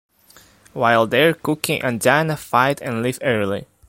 While there Cookie and Dino fight and leave early.